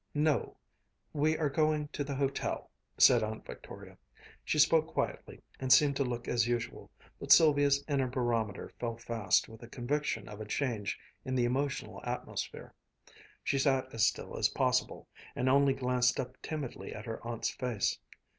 "No, we are going to the hotel," said Aunt Victoria. She spoke quietly, and seemed to look as usual, but Sylvia's inner barometer fell fast with a conviction of a change in the emotional atmosphere. She sat as still as possible, and only once glanced up timidly at her aunt's face.